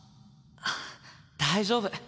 あっ大丈夫。